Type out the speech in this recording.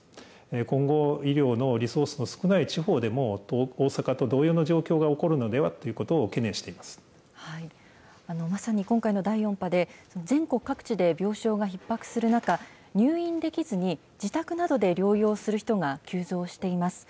今後、医療のリソースの少ない地方でも、大阪と同様の状況が起こるのではということを懸念していまさに今回の第４波で、全国各地で病床がひっ迫する中、入院できずに自宅などで療養する人が急増しています。